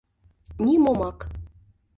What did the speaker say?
Нимомак